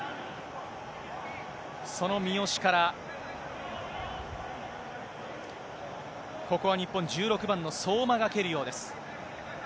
その三好から、ここは日本、１６番の相馬が蹴るようです。